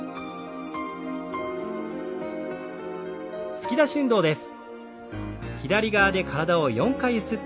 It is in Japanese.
突き出し運動です。